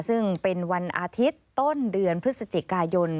ซึ่งเป็นวันอาทิตย์ต้นเดือนพฤศจิกายน